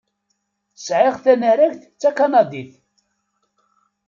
Sεiɣ tanaragt d takanadit.